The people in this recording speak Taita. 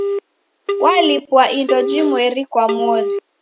Walipwa indo jimweri kwa mori.